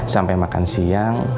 sampai makan siang